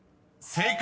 ［正解！